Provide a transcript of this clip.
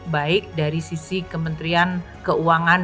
baik dari sisi kementerian keuangan